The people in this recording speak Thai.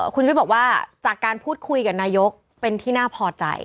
คุณวิทย์บอกว่าจากการพูดคุยกับนายกเป็นที่น่าพอใจ